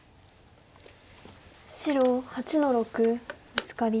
白８の六ブツカリ。